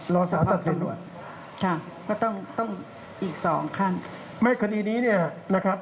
รอสารตัดสินด่วนค่ะก็ต้องต้องอีกสองขั้นไม่คดีนี้เนี่ยนะครับ